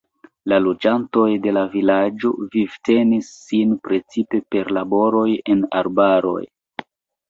La loĝantoj de la vilaĝo vivtenis sin precipe per laboroj en arbaroj.